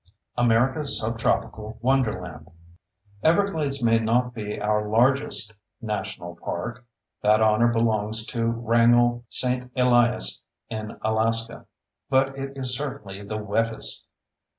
AMERICA'S SUBTROPICAL WONDERLAND Everglades may not be our largest national park (that honor belongs to Wrangell St. Elias in Alaska), but it is certainly the wettest.